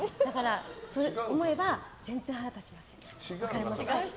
そう思えば全然、腹立ちません。